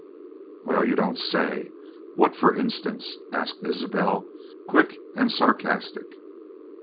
"'Wal, you don't say! What, fer instance?, asked Isbel, quick an' sarcastic.